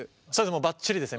バッチリですね